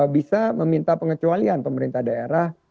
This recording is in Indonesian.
bisa meminta pengecualian pemerintah daerah